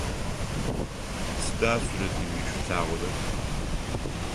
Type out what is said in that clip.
Сыда сурэтым ишъулъагъорэр?